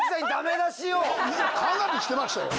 かなりしてましたよ。